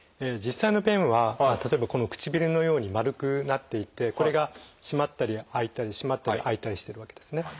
実際の弁は例えばこの唇のように丸くなっていてこれが閉まったり開いたり閉まったり開いたりしてるわけですね。